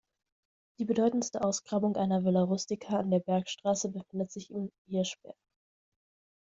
Die bedeutendste Ausgrabung einer villa rustica an der Bergstraße befindet sich in Hirschberg.